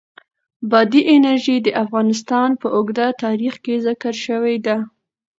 بادي انرژي د افغانستان په اوږده تاریخ کې ذکر شوې ده.